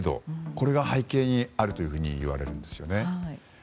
これが背景にあるといわれるんですね。